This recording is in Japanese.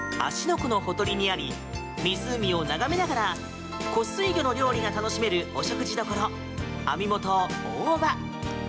湖のほとりにあり湖を眺めながら湖水魚の料理が楽しめるお食事処、網元おおば。